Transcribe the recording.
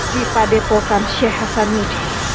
di padepokan sheikh hasan yudi